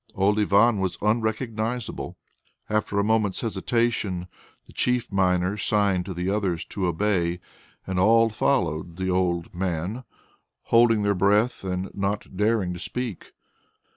Old Ivan was unrecognizable. After a moment's hesitation the chief miner signed to the others to obey, and all followed the old man, holding their breath and not daring to speak.